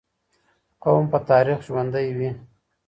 قوم په تاريخ ژوندي وي.